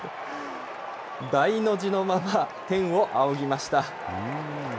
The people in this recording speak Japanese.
大の字のまま、天を仰ぎました。